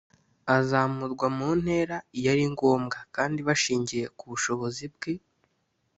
Azamurwa mu ntera iyo ari ngombwa kandi bashingiye ku bushobozi bwe